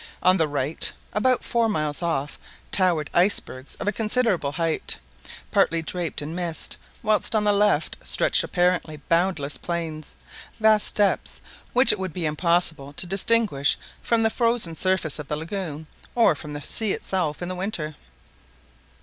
On the right, about four miles off, towered icebergs of a considerable height. partly draped in mist; whilst on the left stretched apparently boundless plains, vast steppes which it would be impossible to distinguish from the frozen surface of the lagoon or from the sea itself in the winter.